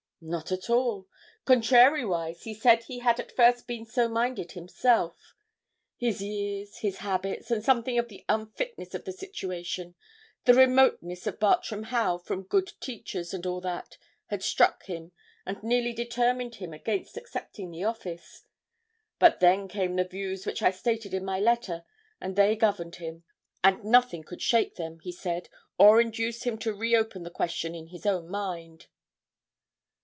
'Not at all. Contrariwise, he said he had at first been so minded himself. His years, his habits, and something of the unfitness of the situation, the remoteness of Bartram Haugh from good teachers, and all that, had struck him, and nearly determined him against accepting the office. But then came the views which I stated in my letter, and they governed him; and nothing could shake them, he said, or induce him to re open the question in his own mind.'